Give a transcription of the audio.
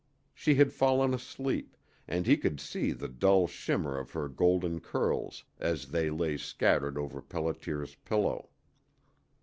She had fallen asleep, and he could see the dull shimmer of her golden curls as they lay scattered over Pelliter's pillow.